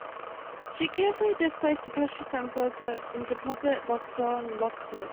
She carefully placed the precious envelope in deposit box L and locked it.